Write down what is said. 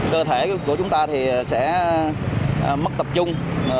cơ thể của chúng ta thì sẽ mất tập trung